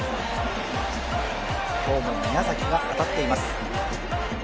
今日も宮崎が当たっています。